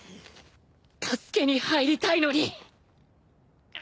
助けに入りたいのに